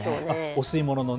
お吸い物ね。